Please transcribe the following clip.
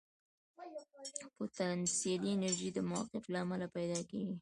پوتانسیلي انرژي د موقف له امله پیدا کېږي.